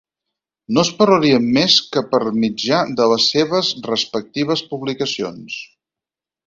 No es parlarien més que per mitjà de les seves respectives publicacions.